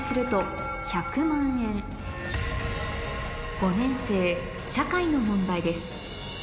５年生社会の問題です